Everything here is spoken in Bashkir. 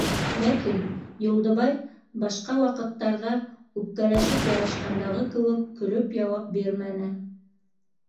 Ләкин Юлдыбай, башҡа ваҡыттарҙа үпкәләшеп ярашҡандағы кеүек, көлөп яуап бирмәне.